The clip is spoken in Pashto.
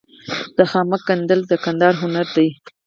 د خامک ګنډل د کندهار هنر دی.